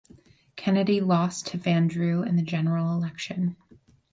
Kennedy lost to Van Drew in the general election.